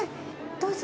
どうぞ。